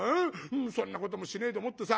そんなこともしねえでもってさ。